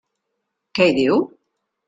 Què hi diu?